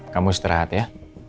kamu istirahat ya